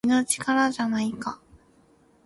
君の力じゃないか